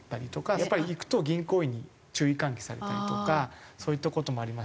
やっぱり行くと銀行員に注意喚起されたりとかそういった事もありますし。